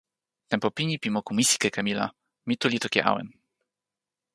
tenpo pini pi moku misikeke mi la, mi tu li toki awen.